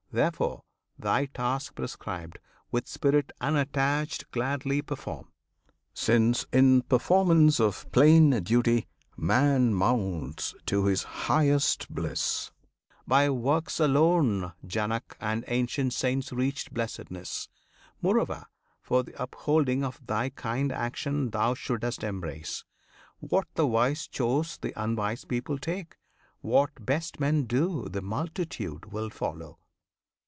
[FN#5] Therefore, thy task prescribed With spirit unattached gladly perform, Since in performance of plain duty man Mounts to his highest bliss. By works alone Janak and ancient saints reached blessedness! Moreover, for the upholding of thy kind, Action thou should'st embrace. What the wise choose The unwise people take; what best men do The multitude will follow.